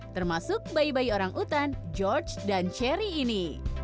termasuk bayi bayi orang utan george dan cherry ini